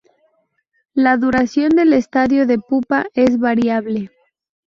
La duración del estadio de pupa es variable.